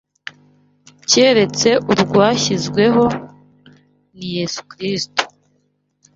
keretse urwashyizweho, ni Yesu Kristo